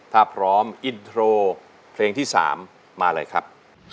ถ้าพร้อมอินโทรเพลงที่๓มาเลยครับ